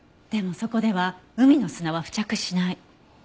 でもそこでは海の砂は付着しない。